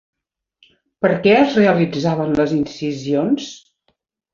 Per què es realitzaven les incisions?